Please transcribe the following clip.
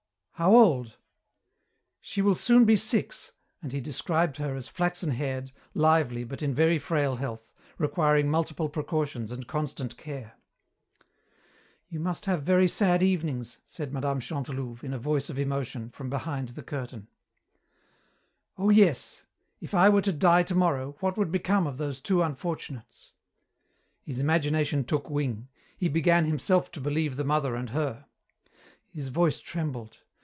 "How old?" "She will soon be six," and he described her as flaxen haired, lively, but in very frail health, requiring multiple precautions and constant care. "You must have very sad evenings," said Mme. Chantelouve, in a voice of emotion, from behind the curtain. "Oh yes! If I were to die tomorrow, what would become of those two unfortunates?" His imagination took wing. He began himself to believe the mother and her. His voice trembled.